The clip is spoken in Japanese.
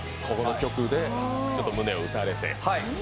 ここの曲でちょっと胸を打たれて？